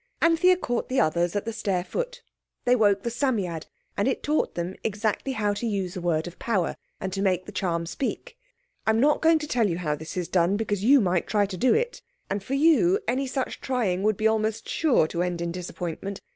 Anthea caught the others at the stair foot. They woke the Psammead, and it taught them exactly how to use the word of power, and to make the charm speak. I am not going to tell you how this is done, because you might try to do it. And for you any such trying would be almost sure to end in disappointment.